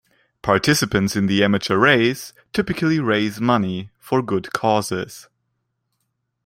Participants in the amateur race typically raise money for good causes.